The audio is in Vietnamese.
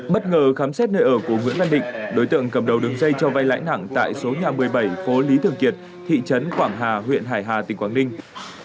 bất ngờ khám xét nơi ở của nguyễn văn định đối tượng cầm đầu đường dây cho vay lãi nặng tại số nhà một mươi bảy phố lý thường kiệt thị trấn quảng hà huyện hải hà tỉnh quảng ninh